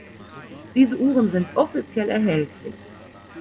Diese Uhren sind offiziell erhältlich.